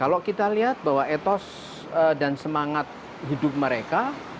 kalau kita lihat bahwa etos dan semangat hidup mereka